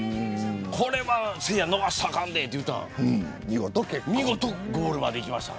これは逃したらあかんでと言ったら見事にゴールまでいきました。